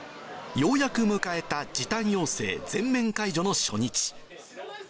ようやく迎えた時短要請全面解除の初日。